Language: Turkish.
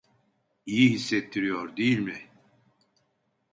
İyi hissettiriyor, değil mi?